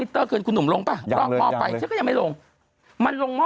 อีกแต่ขนนมลงป่ะยังเอาไปก็ยังไม่ลงมันลงม่อ